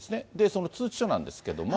その通知書なんですけれども。